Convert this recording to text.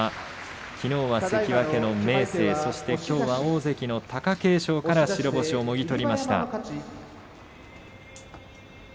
きのうは関脇の明生そしてきょうは大関の貴景勝から白星をもぎ取りました。